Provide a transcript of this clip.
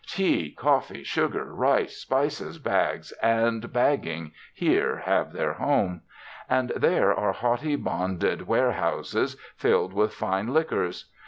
Tea, coffee, sugar, rice, spices, bags and bagging here have their home. And there are haughty bonded warehouses filled with fine liquors.